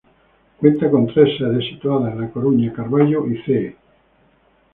Cuenta con tres sedes, situadas en La Coruña, Carballo y Cee.